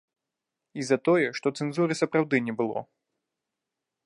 І за тое, што цэнзуры сапраўды не было.